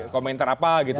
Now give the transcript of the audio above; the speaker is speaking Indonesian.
komentar apa gitu